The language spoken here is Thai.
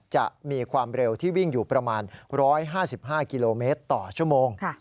จะมีความเร็วที่วิ่งอยู่ประมาณ๑๕๕กิโลเมตรต่อชั่วโมง